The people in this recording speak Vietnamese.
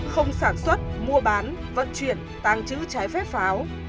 không sản xuất mua bán vận chuyển tàng trữ trái phép pháo